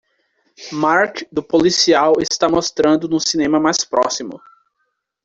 Mark do Policial está mostrando no cinema mais próximo